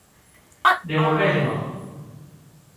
Devolvédema!